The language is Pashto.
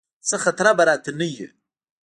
څه خطره به راته نه وي.